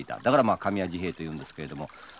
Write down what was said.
だから紙屋治兵衛というんですけれども。